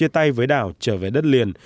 tay với đảo trở về đất liền